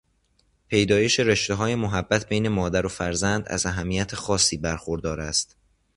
پیدایش رشتههایمحبت بین مادر و فرزند از اهمیت خاصی برخوردار است.